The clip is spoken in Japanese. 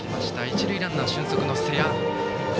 一塁ランナーは俊足の瀬谷。